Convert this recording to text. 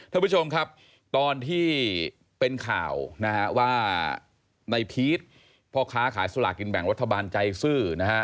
ท่านผู้ชมครับตอนที่เป็นข่าวนะฮะว่าในพีชพ่อค้าขายสลากินแบ่งรัฐบาลใจซื่อนะฮะ